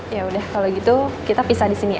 yaudah kalau gitu kita pisah disini ya